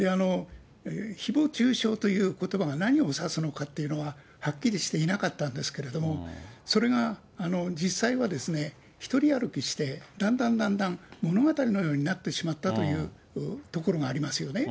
ひぼう中傷ということばが何を指すのかというのははっきりしていなかったんですけれども、それが実際は独り歩きして、だんだんだんだん物語のようになってしまったというところがありますよね。